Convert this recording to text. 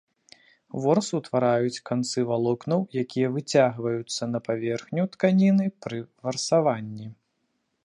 Ворс утвараюць канцы валокнаў, якія выцягваюцца на паверхню тканіны пры варсаванні.